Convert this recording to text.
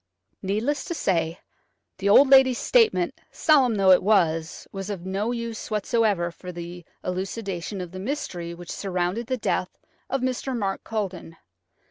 Needless to say, the old lady's statement, solemn though it was, was of no use whatever for the elucidation of the mystery which surrounded the death of Mr. Mark Culledon.